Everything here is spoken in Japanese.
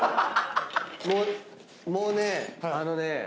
もうもうねあのね。